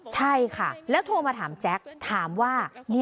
ใช่ค่ะแล้วโทรมาถามแจ๊คถามว่า